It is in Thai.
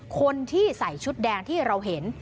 คนที่ใส่ชุดแดงที่เราเห็น